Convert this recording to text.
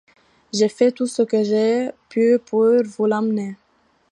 J'ai fait tout ce que j'ai pu pour vous l'amener.